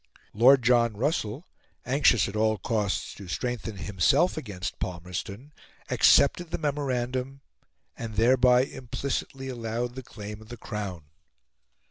Lord John Russell, anxious at all costs to strengthen himself against Palmerston, accepted the memorandum, and thereby implicitly allowed the claim of the Crown.